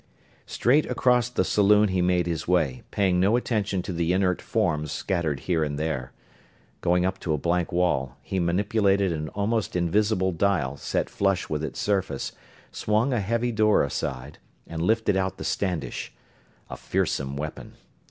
Straight across the saloon he made his way, paying no attention to the inert forms scattered here and there. Going up to a blank wall, he manipulated an almost invisible dial set flush with its surface, swung a heavy door aside, and lifted out the Standish a fearsome weapon.